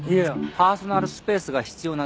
パーソナルスペースが必要なだけです。